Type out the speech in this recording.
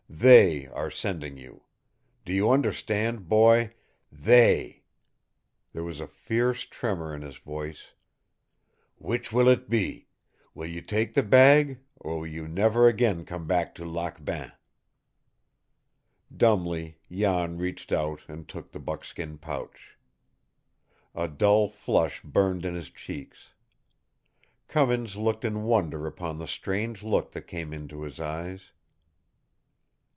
THEY are sending you. Do you understand, boy? THEY!" There was a fierce tremor in his voice. "Which will it be? Will you take the bag, or will you never again come back to Lac Bain?" Dumbly Jan reached out and took the buckskin pouch. A dull flush burned in his cheeks. Cummins looked in wonder upon the strange look that came into his eyes.